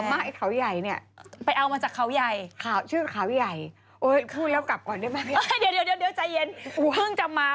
มันขอบมากไอ้ขาวใหญ่นี่